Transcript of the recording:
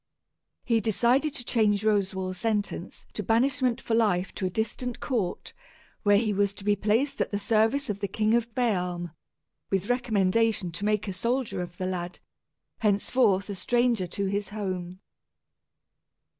He decided to change Roswal's sentence to banishment for life to a distant court, where he was to be placed at the service of the King of Bealm, with recommendation to make a soldier of the lad, henceforth a stranger to his home.